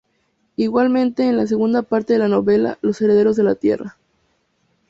Igualmente, en la segunda parte de la novela, "Los herederos de la tierra".